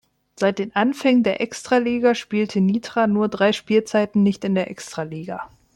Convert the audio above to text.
Seit den Anfängen der Extraliga spielte Nitra nur drei Spielzeiten nicht in der Extraliga.